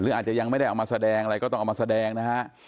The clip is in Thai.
อาจจะยังไม่ได้เอามาแสดงอะไรก็ต้องเอามาแสดงนะฮะ